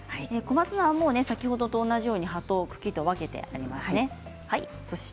小松菜は先ほどと同じように葉と茎と分けてありますね。